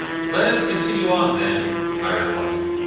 "Let us continue on, then," I replied.